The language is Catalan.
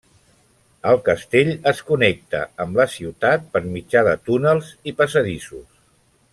El castell es connecta amb la ciutat per mitjà de túnels i passadissos.